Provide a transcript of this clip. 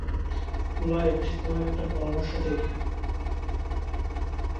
Lloyd, তোমাকে একটা পরামর্শ দেই।